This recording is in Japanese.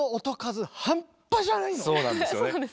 そうなんですよね。ね？